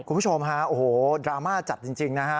คุณผู้ชมฮะโอ้โหดราม่าจัดจริงนะฮะ